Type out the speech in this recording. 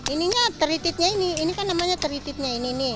ininya terititnya ini ini kan namanya terititnya